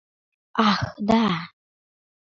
Ах, да...